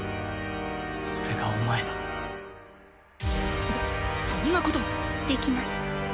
それがお前のそそんなことできます